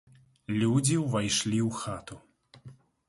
Людзі ўвайшлі ў хату.